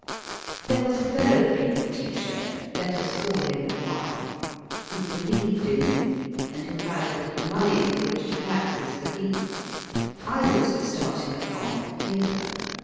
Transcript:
There was a fellow pupil teacher (let us call him Y.) who be lieved in me, and who had a little money with which to back his belief. I was for starting a comic paper.